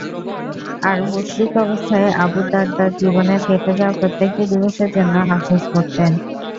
আর মুশরিক অবস্থায় আবু দারদার জীবনের কেটে যাওয়া প্রত্যেকটি দিবসের জন্য আফসোস করতেন।